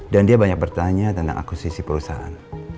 dan dia banyak bertanya tentang akusisi perusahaan